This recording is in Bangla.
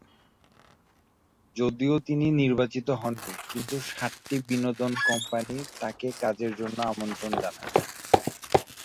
যদিও তিনি নির্বাচিত হননি, কিন্তু সাতটি বিনোদন কোম্পানি তাঁকে কাজের জন্য আমন্ত্রণ জানায়।